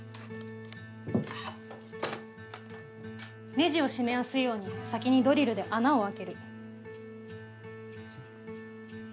ネジを締めやすいように先にドリルで穴を開ける。